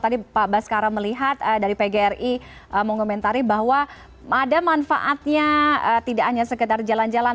tadi pak baskara melihat dari pgri mengomentari bahwa ada manfaatnya tidak hanya sekedar jalan jalan